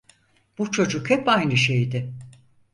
Bu çocuk hep aynı şeydi.